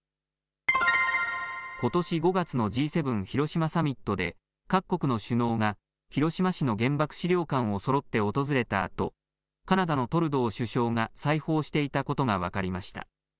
ことし５月のＧ７広島サミットで各国の首脳が広島市の原爆資料館をそろって訪れたあとカナダのトルドー首相が再訪していたことが分かりました。